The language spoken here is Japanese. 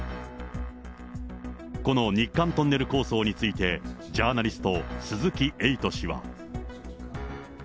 この日韓トンネル構想について、ジャーナリスト、鈴木エイト氏は。